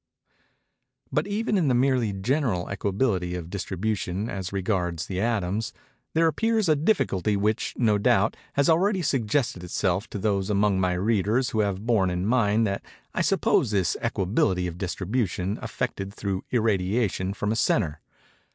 But even in the merely general equability of distribution, as regards the atoms, there appears a difficulty which, no doubt, has already suggested itself to those among my readers who have borne in mind that I suppose this equability of distribution effected through irradiation from a centre.